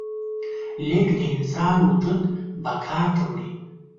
لیک د انسان وجود بقا ته وړي.